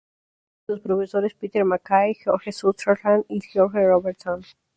Se trata de los profesores Peter Mackay, George Sutherland y George Robertson.